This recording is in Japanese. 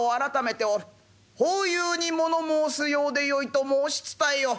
朋友に物申すようでよいと申し伝えよ」。